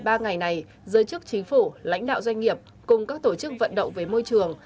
trong ba ngày này giới chức chính phủ lãnh đạo doanh nghiệp cùng các tổ chức vận động về môi trường